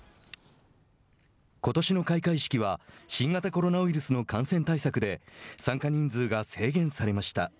ことしの開会式は新型コロナウイルスの感染対策で参加人数が制限されました。